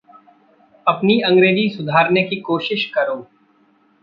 अपनी अंग्रेज़ी सुधारने की कोशिश करो।